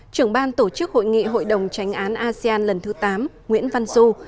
trưởng ban tổ chức hội nghị hội đồng tránh án asean lần thứ tám nguyễn văn du